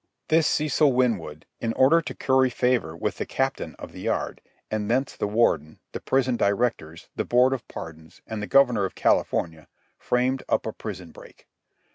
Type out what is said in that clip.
This Cecil Winwood, in order to curry favour with the Captain of the Yard, and thence the Warden, the Prison Directors, the Board of Pardons, and the Governor of California, framed up a prison break.